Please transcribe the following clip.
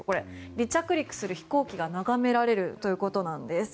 離着陸する飛行機が眺められるということです。